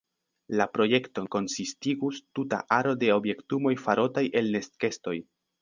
La projekton konsistigus tuta aro de objektumoj farotaj el nestkestoj.